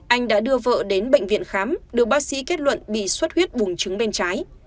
anh đã đưa vợ đến bệnh viện khám được bác sĩ kết luận bị suất huyết bùng trứng bên trái